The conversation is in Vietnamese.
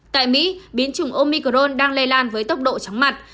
tại mỹ biến chủng omicron đang lây lan với tốc độ chóng mặt